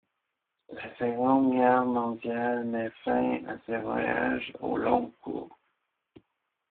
La Seconde Guerre mondiale met fin à ses voyages aux long-cours.